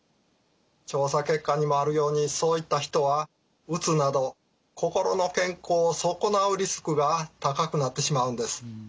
調査結果にもあるようにそういった人はうつなど心の健康を損なうリスクが高くなってしまうんです。